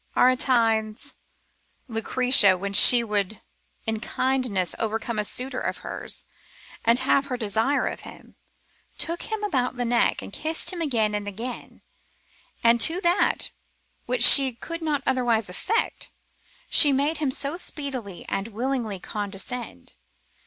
Aretine's Lucretia, when she would in kindness overcome a suitor of hers, and have her desire of him, took him about the neck, and kissed him again and again, and to that, which she could not otherwise effect, she made him so speedily and willingly condescend.